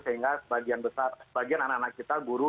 sehingga sebagian anak anak kita guru